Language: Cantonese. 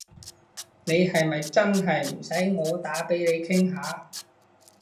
你係咪真係唔使我打畀你傾下？